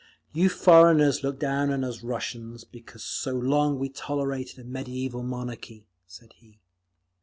"You foreigners look down on us Russians because so long we tolerated a mediæval monarchy," said he.